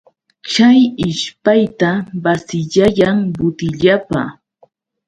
Chay ishpayta basiyayan butillapa.